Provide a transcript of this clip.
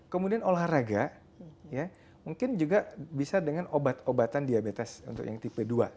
kemudian olahraga mungkin juga bisa dengan obat obatan diabetes untuk yang tipe dua